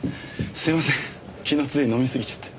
すいません昨日つい飲みすぎちゃって。